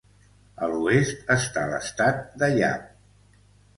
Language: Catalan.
A l'oest està l'estat de Yap.